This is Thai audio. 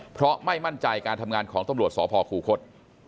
เพราะไม่มั่นใจการทำงานของตำรวจสพคูคศ